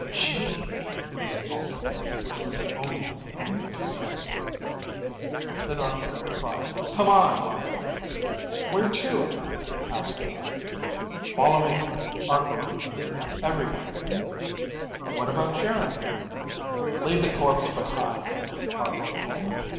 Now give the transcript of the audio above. "Gee," breathed Alter, which was the only thing anybody said. Then Arkor cried, "Come on." "Where to?" asked Jon. "Follow me," Arkor repeated. "Everyone." "What about Geryn?" "Leave that corpse behind," Arkor told them.